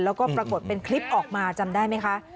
แล้วก็ปรากฏเป็นคลิปออกมาจำได้ไหมคะ